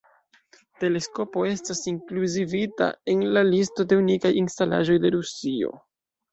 Teleskopo estas inkluzivita en la listo de unikaj instalaĵoj de Rusio.